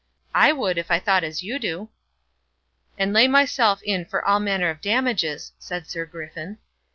"I would, if I thought as you do." "And lay myself in for all manner of damages," said Sir Griffin.